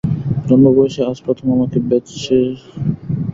জন্মবয়সে আজ প্রথম আমাকে যেচে কথাটা বলতে এলেন, তাও তালবনে ডেকে!